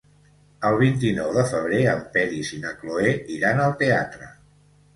El vint-i-nou de febrer en Peris i na Cloè iran al teatre.